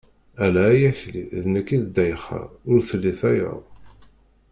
Ala ay Akli, d nekk i d Ddayxa, ur telli tayeḍ.